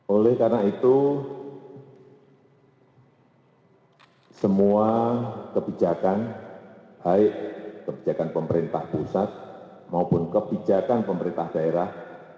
oleh karena itu semua kebijakan baik kebijakan pemerintah pusat maupun kebijakan pemerintah daerah